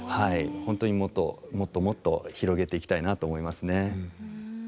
本当にもっともっともっと広げていきたいなと思いますね。